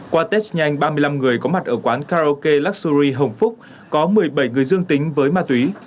qua test nhanh ba mươi năm người có mặt ở quán karaoke luxury hồng phúc có một mươi bảy người dương tính với ma túy